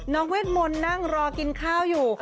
เวทมนต์นั่งรอกินข้าวอยู่